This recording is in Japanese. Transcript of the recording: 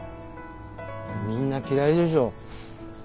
みんな嫌いでしょあんな